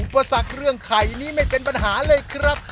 ปสักเรื่องไข่นี้ไม่เป็นปัญหาเลยครับ